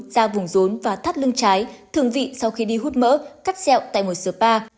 da vùng rốn và thắt lưng trái thường vị sau khi đi hút mỡ cắt xẹo tại một spa